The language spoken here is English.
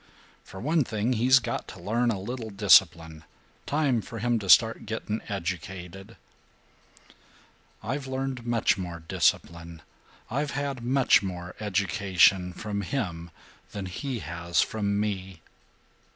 "For one thing, he's got to learn a little discipline. Time for him to start getting educated." "I've learned much more discipline, I've had much more education, from him than he has from me."